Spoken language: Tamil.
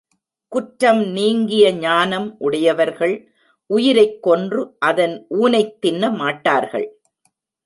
குற்றம் நீங்கிய ஞானம் உடையவர்கள் உயிரைக் கொன்று அதன் ஊனைத் தின்னமாட்டார்கள்.